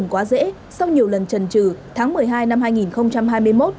quá dễ sau nhiều lần trần trừ tháng một mươi hai năm hai nghìn hai mươi một